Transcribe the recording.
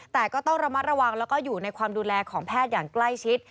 แต่ก็ต้องระมัดระวังแล้วก็อยู่ในความดูแลของแพทย์อย่างใกล้ชิด